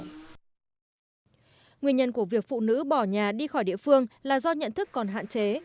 nguyên nhân của việc phụ nữ bỏ nhà đi khỏi địa phương là do nhận thức còn hạn chế